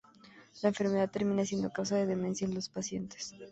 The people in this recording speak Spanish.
La enfermedad termina siendo causa de demencia en los pacientes.